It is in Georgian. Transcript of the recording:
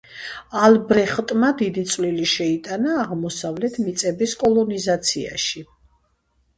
ალბრეხტმა დიდი წვლილი შეიტანა აღმოსავლეთ მიწების კოლონიზაციაში.